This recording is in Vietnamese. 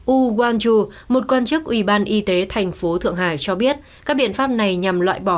wu guangzhu một quan chức ủy ban y tế thành phố thượng hải cho biết các biện pháp này nhằm loại bỏ